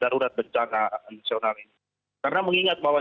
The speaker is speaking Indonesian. darurat bencana nasional ini karena mengingat bahwa